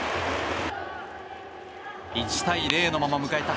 １対０のまま迎えた